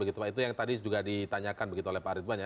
itu yang tadi juga ditanyakan begitu oleh pak ridwan ya